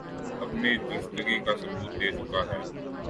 اپنی درستگی کا ثبوت دے چکا ہے